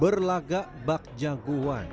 berlagak bak jagoan